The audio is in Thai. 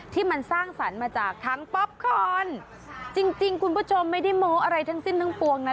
ที่มันสร้างสรรค์มาจากทั้งป๊อปคอนจริงจริงคุณผู้ชมไม่ได้โม้อะไรทั้งสิ้นทั้งปวงนะ